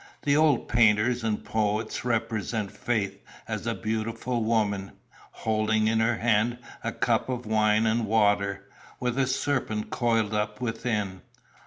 The old painters and poets represented Faith as a beautiful woman, holding in her hand a cup of wine and water, with a serpent coiled up within.